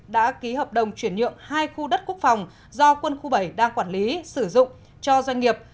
đã ký hợp đồng chuyển nhượng hai khu đất quốc phòng do quân khu bảy đang quản lý sử dụng cho doanh nghiệp